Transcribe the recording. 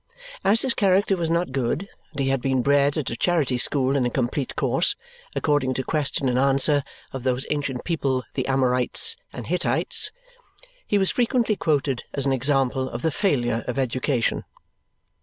As his character was not good, and he had been bred at a charity school in a complete course, according to question and answer, of those ancient people the Amorites and Hittites, he was frequently quoted as an example of the failure of education.